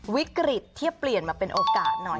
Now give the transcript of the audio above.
วิกฤตเทียบเปลี่ยนมาเป็นโอกาสหน่อย